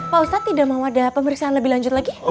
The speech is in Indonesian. pak ustadz tidak mau ada pemeriksaan lebih lanjut lagi